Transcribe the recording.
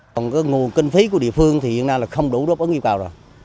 còn cái nguồn kinh phí của địa phương thì hiện nay là không đủ đối với nghiệp cầu rồi